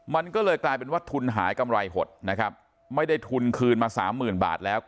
มันก็เลยกลายเป็นว่าทุนหายกำไรหดนะครับไม่ได้ทุนคืนมาสามหมื่นบาทแล้ว